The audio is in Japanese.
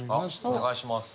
お願いします。